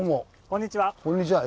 こんにちは。